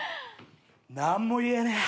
「何も言えねえ」ＯＫ！